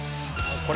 これ。